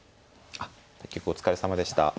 対局お疲れさまでした。